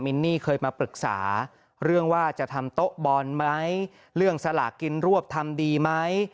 นี่เคยมาปรึกษาเรื่องว่าจะทำโต๊ะบอลไหมเรื่องสลากกินรวบทำดีไหม